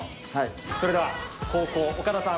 それでは後攻岡田さん